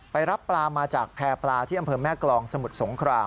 รับปลามาจากแพร่ปลาที่อำเภอแม่กรองสมุทรสงคราม